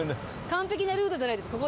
完璧なルートじゃないですか。